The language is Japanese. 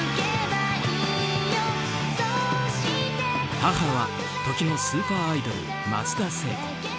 母は時のスーパーアイドル松田聖子。